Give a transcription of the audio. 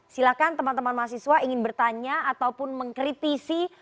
silahkan teman teman mahasiswa ingin bertanya ataupun mengkritisi